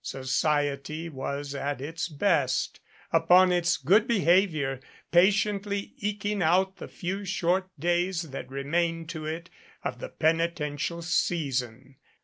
Society was at its best, upon its good behavior, patiently eking out the few short days that remained to it of the peni tential season.